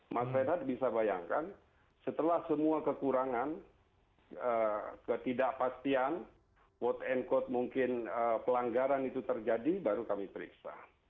mas renat bisa bayangkan setelah semua kekurangan ketidakpastian quote unquote mungkin pelanggaran itu terjadi baru kami periksa